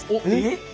えっ？